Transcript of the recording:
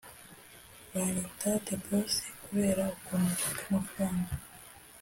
banyita the boss kubera ukuntu nshaka amafaranga.